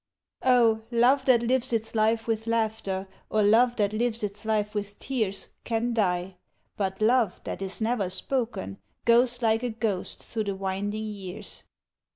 Oh, love that lives its life with laughter Or love that lives its life with tears Can die but love that is never spoken Goes like a ghost through the winding years.